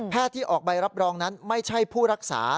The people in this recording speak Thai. ที่ออกใบรับรองนั้นไม่ใช่ผู้รักษา